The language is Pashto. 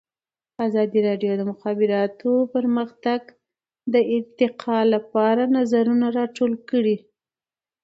ازادي راډیو د د مخابراتو پرمختګ د ارتقا لپاره نظرونه راټول کړي.